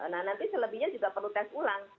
nah nanti selebihnya juga perlu tes ulang